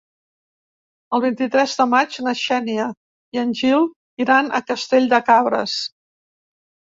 El vint-i-tres de maig na Xènia i en Gil iran a Castell de Cabres.